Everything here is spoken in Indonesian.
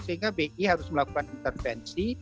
sehingga bi harus melakukan intervensi